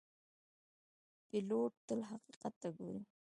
پیلوټ تل حقیقت ته ګوري.